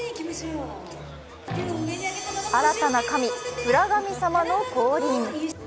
新たな神・フラ神様の降臨。